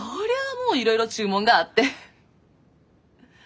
もういろいろ注文があって。